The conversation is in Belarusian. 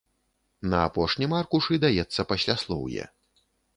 На апошнім аркушы даецца пасляслоўе.